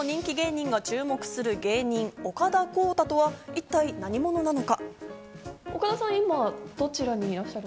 多くの人気芸人が注目する芸人・岡田康太とは一体何者なのか。